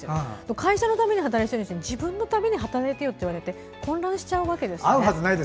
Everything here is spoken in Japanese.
会社のために働いている人に自分のために働いてよって言われて混乱しちゃうんですよ。